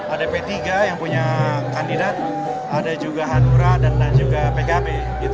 ada p tiga yang punya kandidat ada juga hanura dan juga pkb